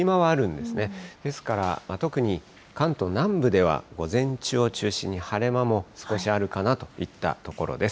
ですから特に、関東南部では、午前中を中心に、晴れ間も少しあるかなといったところです。